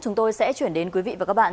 chúng tôi sẽ chuyển đến quý vị và các bạn